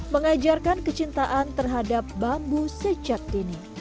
mengajarkan kecintaan terhadap bambu sejak dini